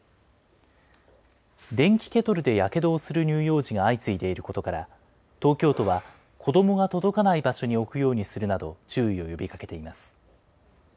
電気ケトルでやけどをする乳幼児が相次いでいることから、東京都は、子どもが届かない場所に置くようにするなど、注意を呼びかけています。